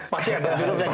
pakai ada dulu